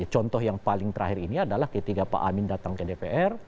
contoh yang paling terakhir ini adalah ketika pak amin datang ke dpr